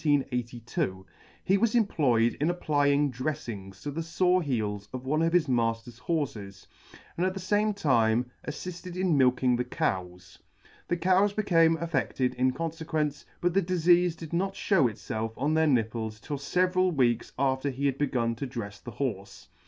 He was employed in applying dreflings to the fore heels of one of his mailer's horfes, and at the fame time attitted in milking the cows. The cows became affedted in confequence, but the difeafe did not fliew itfelf on their nipples till feveral weeks after he had begun to drefs the horfe.